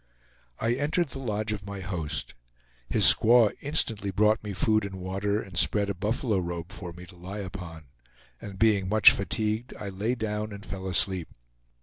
I entered the lodge of my host. His squaw instantly brought me food and water, and spread a buffalo robe for me to lie upon; and being much fatigued, I lay down and fell asleep.